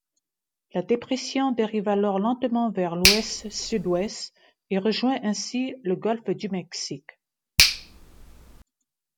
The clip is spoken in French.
La dépression dérive alors lentement vers l'ouest-sud-ouest, et rejoint ainsi le golfe du Mexique.